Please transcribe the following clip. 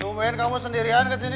cuman kamu sendirian kesini